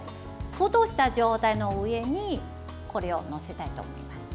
沸騰した状態の上にこれを載せたいと思います。